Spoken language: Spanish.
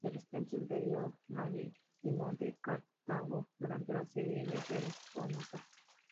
Del extenso imperio marítimo de Cartago durante la serie de Guerras Púnicas.